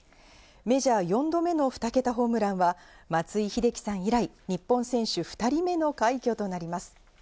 メジャー４度目の２桁ホームランは松井秀喜さん以来、日本選手２人目の快挙となります。